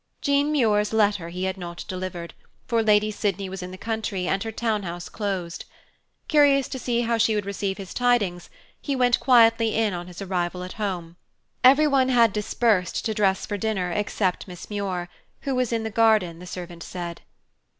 Jean Muir's letter he had not delivered, for Lady Sydney was in the country and her townhouse closed. Curious to see how she would receive his tidings, he went quietly in on his arrival at home. Everyone had dispersed to dress for dinner except Miss Muir, who was in the garden, the servant said.